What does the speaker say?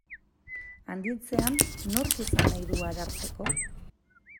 Handitzean, nork izan nahi du Ararteko?